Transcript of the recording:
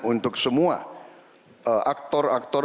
untuk semua aktor aktor